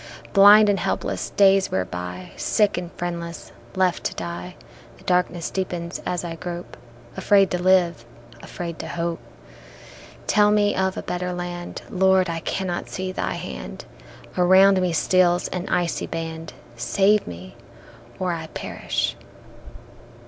Blind and helpless days wear by, Sick and friendless, left to die; The darkness deepens as I grope, Afraid to live, afraid to hope; They tell me of a better land, Lord, I cannot see Thy hand, Around me steals an icy band, Save me or I perish.